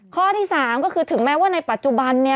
ข้อที่๓ก็คือถึงแม้ว่าในปัจจุบันเนี่ย